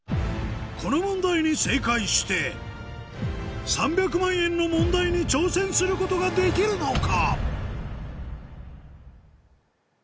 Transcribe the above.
この問題に正解して３００万円の問題に挑戦することができるのか？